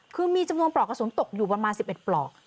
คือมีจำนวนปลอกกระสุนตกอยู่ประมาณ๑๑ปลอก